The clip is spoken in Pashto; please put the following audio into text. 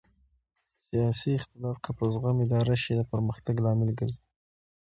سیاسي اختلاف که په زغم اداره شي د پرمختګ لامل ګرځي